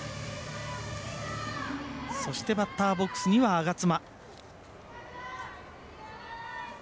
そして、バッターボックスには東妻。